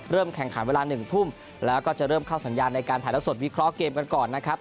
แข่งขันเวลา๑ทุ่มแล้วก็จะเริ่มเข้าสัญญาณในการถ่ายแล้วสดวิเคราะห์เกมกันก่อนนะครับ